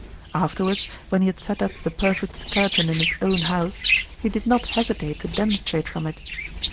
Afterwards, when he had set up the perfect skeleton in his own house, he did not hesitate to demonstrate from it.